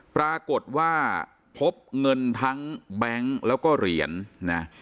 ปรากฏว่าพบเงินทั้งแบงค์แล้วก็เหรียญนะ